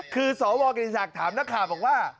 คือสวกิติศักดิ์ถามนักข่าวบอกว่า